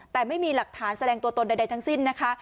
แต่ไม่มีหลักฐานแสดงตัวตนใดทั้งสิ้นนะคะ